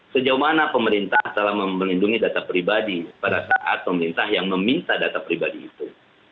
sejauh mana pemerintah telah melindungi data pribadi pada saat pemerintah yang meminta data pribadi itu